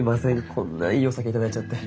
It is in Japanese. こんないいお酒頂いちゃって。